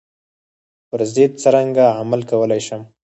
پر ضد څرنګه عمل کولای شم.